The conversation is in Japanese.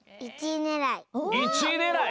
１いねらい。